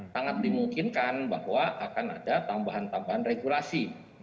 sangat dimungkinkan bahwa akan ada tambahan tambahan regulasi